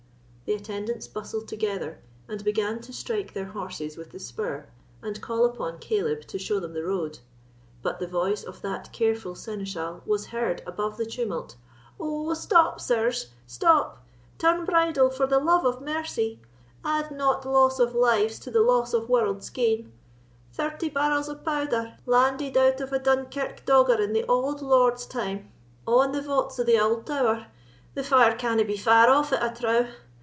The attendants bustled together, and began to strike their horses with the spur, and call upon Caleb to show them the road. But the voice of that careful seneschal was heard above the tumult, "Oh, stop sirs, stop—turn bridle, for the luve of Mercy; add not loss of lives to the loss of warld's gean! Thirty barrels of powther, landed out of a Dunkirk dogger in the auld lord's time—a' in the vau'ts of the auld tower,—the fire canna be far off it, I trow.